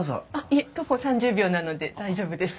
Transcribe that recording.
いえ徒歩３０秒なので大丈夫です。